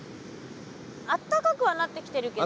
あったかくはなってきてるけど。